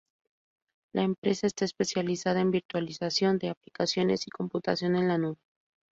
La empresa está especializada en virtualización de aplicaciones y computación en la nube.